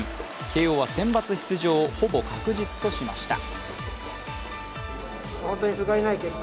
慶応はセンバツ出場をほぼ確実としました。